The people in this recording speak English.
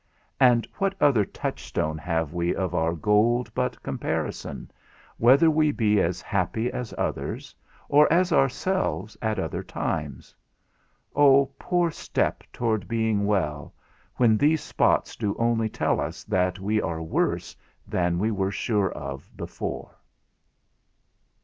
And what other touchstone have we of our gold but comparison, whether we be as happy as others, or as ourselves at other times? O poor step toward being well, when these spots do only tell us that we are worse than we were sure of before.